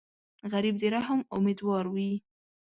غریب د رحم امیدوار وي